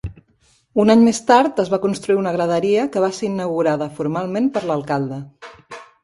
Un any més tard, es va construir una graderia que va ser inaugurada formalment per l'alcalde.